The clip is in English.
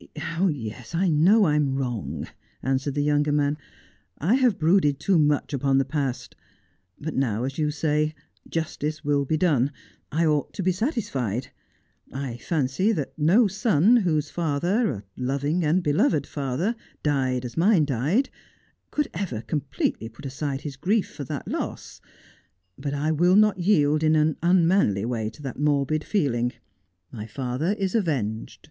' Yes, I know I am wrong,' answered the younger man. ' I have brooded too much upon the past. But now, as you say, justice will be done. I ought to be satisfied. I fancy that no son, whose father — a loving and beloved father — died as mine died, could ever completely put aside his grief for that loss. But I will not yield in an unmanly way to that morbid feeling. My father is avenged.